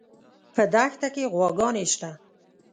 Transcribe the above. په دښته کې غواګانې شته